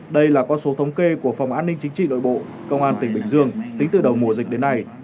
đây là con số thống kê của phòng an ninh chính trị nội bộ công an tỉnh bình dương tính từ đầu mùa dịch đến nay